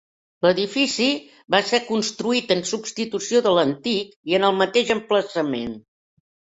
L'edifici va ser construït en substitució de l'antic i en el mateix emplaçament.